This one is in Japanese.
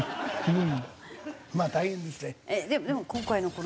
うん。